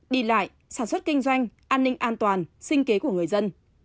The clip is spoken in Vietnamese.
đi lại sản xuất kinh doanh an ninh an toàn sinh kế của người dân